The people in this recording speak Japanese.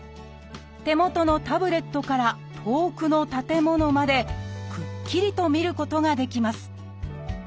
手元のタブレットから遠くの建物までくっきりと見ることができます